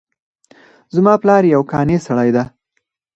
زما پلار یو قانع سړی ده